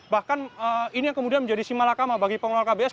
bahkan ini yang kemudian menjadi simalakama bagi pengelola kbs